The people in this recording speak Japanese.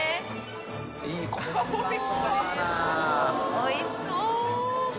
おいしそう！